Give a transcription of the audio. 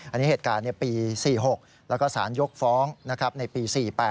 อันนี้เหตุการณ์ปี๔๖แล้วก็สารยกฟ้องในปี๔๘